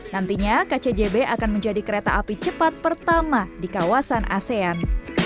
nantinya kcjb akan menjadi kereta api cepat pertama di kawasan asean